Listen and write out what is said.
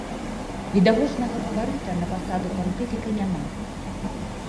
Відавочнага фаварыта на пасаду пантыфіка няма.